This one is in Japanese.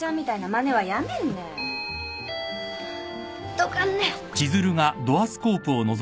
どかんね。